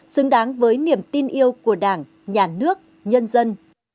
xứng đáng với niềm tin yêu của đảng nhà nước nhân dân